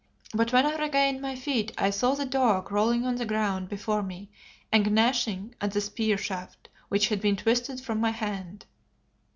But when I regained my feet I saw the dog rolling on the ground before me and gnashing at the spear shaft, which had been twisted from my hand.